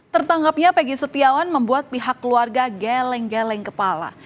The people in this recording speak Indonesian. tertangkapnya peggy setiawan membuat pihak keluarga geleng geleng kepala